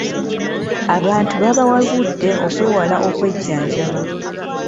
Abantu babawabudde okwewale okwejjanjaba.